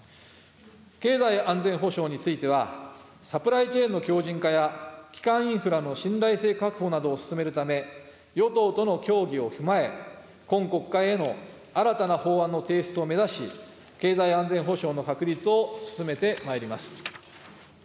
経済安全保障については、サプライチェーンの強じん化や、基幹インフラの信頼性確保などを進めるため、与党との協議を踏まえ、今国会への新たな法案の提出を目指し、経済安全保障の確立を進めてまいります。